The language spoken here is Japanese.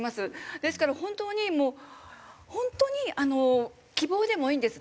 ですからホントにもうホントにあの希望でもいいんです